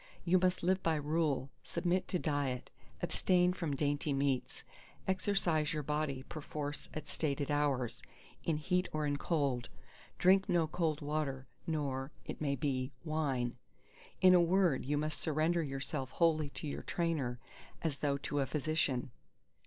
You must live by rule, submit to diet, abstain from dainty meats, exercise your body perforce at stated hours, in heat or in cold; drink no cold water, nor, it may be, wine. In a word, you must surrender yourself wholly to your trainer, as though to a physician.